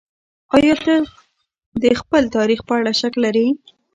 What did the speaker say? ايا ته د خپل تاريخ په اړه شک لرې؟